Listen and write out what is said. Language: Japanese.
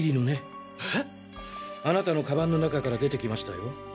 あなたのカバンの中から出てきましたよ。